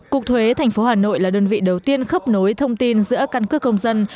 cục thuế thành phố hà nội là đơn vị đầu tiên khớp nối thông tin giữa căn cước công dân